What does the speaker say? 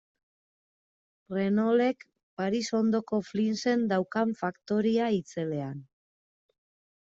Renaultek Paris ondoko Flinsen daukan faktoria itzelean.